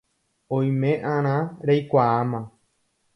Oime'arã reikuaáma